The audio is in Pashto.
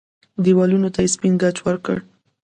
دېوالونو ته يې سپين ګچ ورکړ.